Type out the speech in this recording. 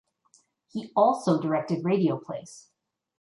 He also directed radio plays.